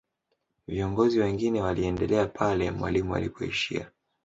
viongozi wengine waliendelea pale mwalimu alipoishia